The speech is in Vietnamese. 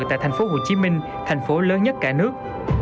tại thành phố hồ chí minh thành phố lớn nhất cả nước